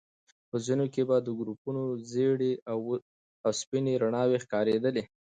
په ځينو کې به د ګروپونو ژيړې او سپينې رڼاوي ښکارېدلې.